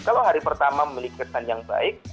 kalau hari pertama memiliki kesan yang baik